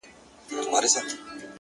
شراب لس خُمه راکړه، غم په سېلاب راکه،